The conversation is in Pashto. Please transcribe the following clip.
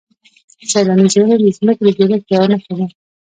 سیلاني ځایونه د ځمکې د جوړښت یوه نښه ده.